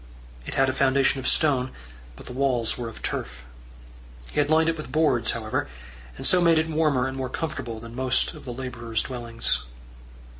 It had a foundation of stone, but the walls were of turf. He had lined it with boards, however, and so made it warmer and more comfortable than most of the labourers' dwellings.